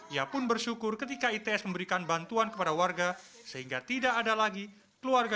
ia pun bersyukur ketika its memberikan bantuan kepada warga sehingga tidak ada lagi keluarga